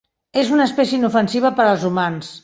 És una espècie inofensiva per als humans.